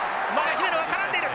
姫野が絡んでいる！